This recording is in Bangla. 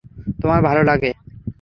তোমার ভালো লাগে?